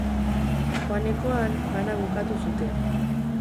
Joanekoan, bana bukatu zuten.